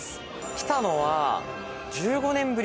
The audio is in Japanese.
来たのは１５年ぶり？